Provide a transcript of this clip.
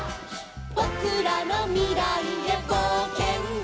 「ぼくらのみらいへぼうけんだ」